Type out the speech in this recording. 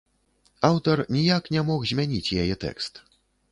Аўтар ніяк не мог змяніць яе тэкст.